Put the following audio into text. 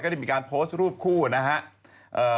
ได้มีการโพสต์รูปคู่นะครับ